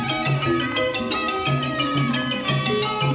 โอเคครับ